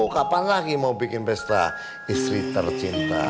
kapan lagi mau bikin pesta istri tercinta